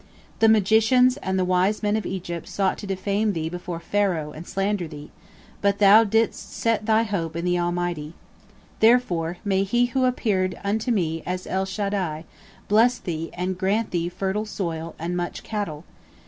The magicians and the wise men of Egypt sought to defame thee before Pharaoh and slander thee, but thou didst set thy hope in the Almighty. Therefore may He who appeared unto me as El Shaddai bless thee and grant thee fertile soil and much cattle.